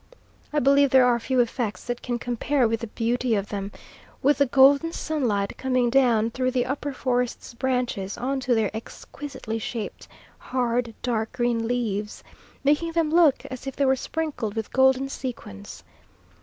I believe there are few effects that can compare with the beauty of them, with the golden sunlight coming down through the upper forest's branches on to their exquisitely shaped, hard, dark green leaves, making them look as if they were sprinkled with golden sequins.